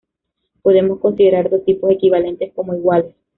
Podemos considerar dos tipos equivalentes como iguales